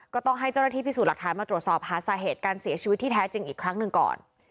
ก็ต้องให้เจ้าหน้าที่พิสูจน์หลักฐานมาตรวจสอบหาสาเหตุการเสียชีวิตที่แท้จริงอีกครั้งหนึ่งก่อน